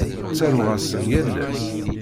Ttaruɣ-asen yal ass.